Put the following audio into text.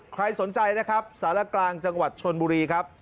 ใครสนใจนะครับสารกลางจังหวัดชนบุรีครับ